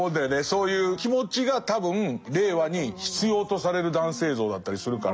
そういう気持ちが多分令和に必要とされる男性像だったりするから。